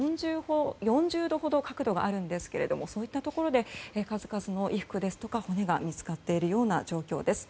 ４０度ほど角度があるんですけれどそういったところで数々の衣服や骨が見つかっているような状況です。